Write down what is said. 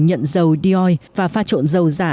nhận dầu d o i và pha trộn dầu giả